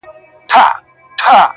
مشر زوى ته يې په ژوند كي تاج پر سر كړ؛